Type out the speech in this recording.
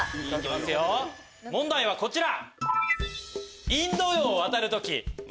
問題はこちら。